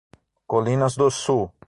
Colinas do Sul